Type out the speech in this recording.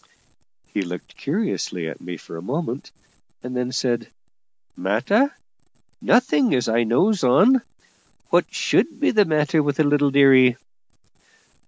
He looked curiously at me for a moment, and then said: "Matter? Nothing, as I knows on. What should be the matter with the little dearie?"